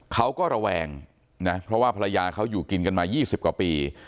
ระแวงนะเพราะว่าภรรยาเขาอยู่กินกันมา๒๐กว่าปี